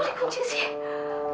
kok dikunci sih